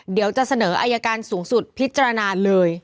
เดี๋ยวจะเสนออายการสูงสุดพิจารณาเลย